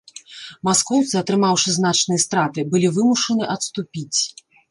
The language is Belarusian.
Маскоўцы, атрымаўшы значныя страты, былі вымушаны адступіць.